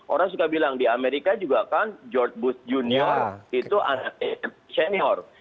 orang suka bilang di amerika juga kan george bush junior itu anak senior